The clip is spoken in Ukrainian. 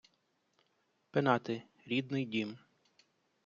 Пенати — рідний дім